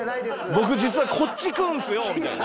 「僕実はこっち食うんすよ」みたいな。